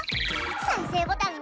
再生ボタン。